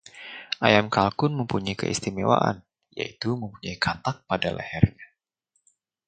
ayam kalkun mempunyai keistimewaan, yaitu mempunyai katak pada lehernya